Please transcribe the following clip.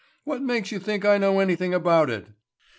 What makes you think I know anything about it?"